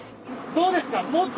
どうですか？